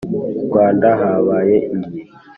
I Rwanda haba iyi